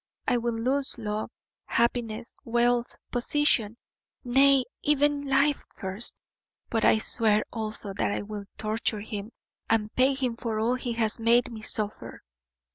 I will lose love, happiness, wealth, position, nay even life first; but I swear also that I will torture him and pay him for all he has made me suffer!"